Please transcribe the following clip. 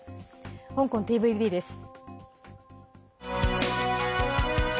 香港ＴＶＢです。